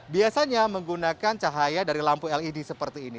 biasanya menggunakan cahaya dari lampu led seperti ini